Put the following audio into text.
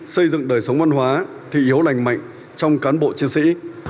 xây dựng đời sống văn hóa thị yếu lành mạnh trong cán bộ chiến sĩ